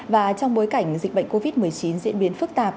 và trong bối cảnh dịch bệnh covid một mươi chín diễn biến phức tạp